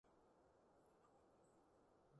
面部同腳需要包紥